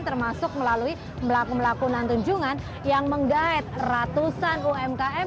termasuk melalui melaku melaku nang tunjungan yang menggaet ratusan umkm